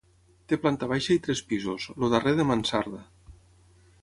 Té planta baixa i tres pisos, el darrer de mansarda.